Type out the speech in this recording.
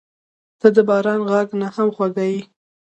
• ته د باران غږ نه هم خوږه یې.